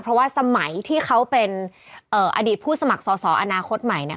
เพราะว่าสมัยที่เขาเป็นอดีตผู้สมัครสอสออนาคตใหม่